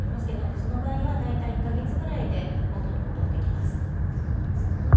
その場合は大体１か月くらいで元に戻ってきます。